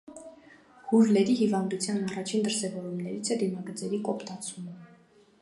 Հուրլերի հիվանդության առաջին դրսևորումներից է դիմագծերի կոպտացումը։